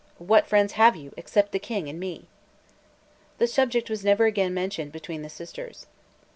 What friends have you except the King and me?" The subject was never again mentioned between the sisters.